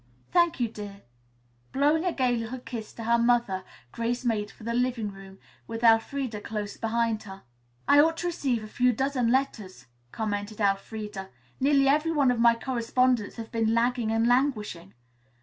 "Thank you, dear." Blowing a gay little kiss to her mother, Grace made for the living room, with Elfreda close behind her. "I ought to receive a few dozen letters," commented Elfreda. "Nearly every one of my correspondents have been lagging and languishing."